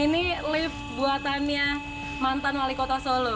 ini lift buatannya mantan wali kota solo